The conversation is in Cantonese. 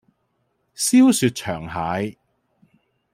燒雪場蟹